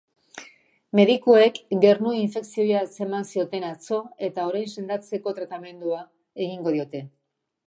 Medikuek gernu-infekzioa atzeman zioten atzo, eta orain sendatzeko tratamendua egingo diote.